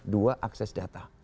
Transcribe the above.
dua akses data